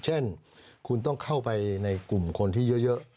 เช่นคุณต้องเข้าไปในกลุ่มคนที่เยอะ